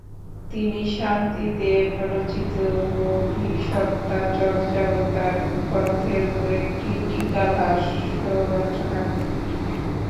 তিনি শান্তিদেব রচিত বোধিসত্ত্বচর্যাবতার গ্রন্থের ওপর একটি টীকাভাষ্য রচনা করেন।